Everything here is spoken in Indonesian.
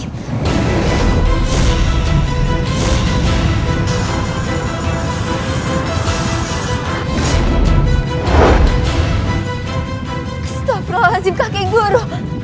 astaghfirullahaladzim kakek guru